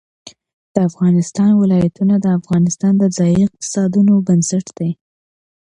د افغانستان ولايتونه د افغانستان د ځایي اقتصادونو بنسټ دی.